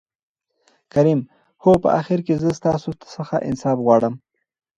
کريم : هو په آخر کې زه ستاسو څخه انصاف غواړم.